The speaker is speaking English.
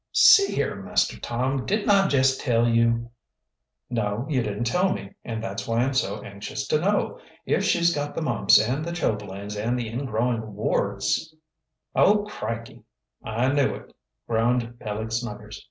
"See here, Master Tom, didn't I jest tell you " "No, you didn't tell me, and that's why I'm so anxious to know. If she's got the mumps, and the chilblains, and the ingrowing warts " "Oh, crickey! I knew it!" groaned Peleg Snuggers.